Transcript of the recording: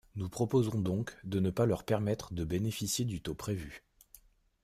Nous proposons donc de ne pas leur permettre de bénéficier du taux prévu.